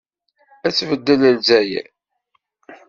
Ad tbeddel Lezzayer?